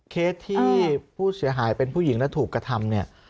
เคสที่ผู้เสียหายเป็นผู้หญิงและถูกกระทำเนี่ย